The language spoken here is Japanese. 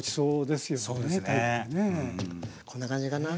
こんな感じかな。